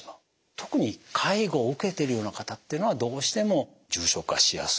特に介護を受けてるような方ってのはどうしても重症化しやすい。